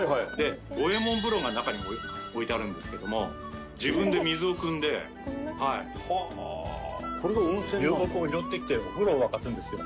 五右衛門風呂が中に置いてあるんですけども自分で水をくんでこれが温泉なんだ流木を拾ってきてお風呂を沸かすんですよ